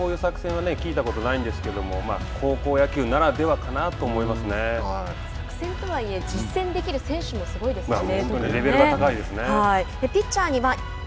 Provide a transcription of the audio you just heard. プロの世界ではあんまり聞いたことはないんですけれども高校野球ならではかなと作戦とはいえ実践できる選手もすごいですね。